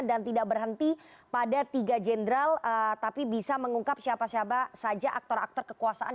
dan tidak berhenti pada tiga jenderal tapi bisa mengungkap siapa siapa saja aktor aktor kekuasaan